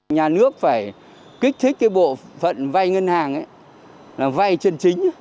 nhà nước phải kích thích cái bộ phận vay ngân hàng ấy là vay chân chính